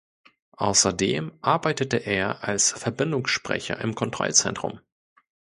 Außerdem arbeitete er als Verbindungssprecher im Kontrollzentrum.